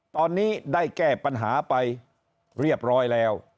ตอนนี้ได้แก้ปัญหาไปเรียบร้อยแล้ว